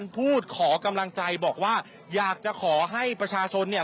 พูดขอกำลังใจบอกว่าอยากจะขอให้ประชาชนเนี่ย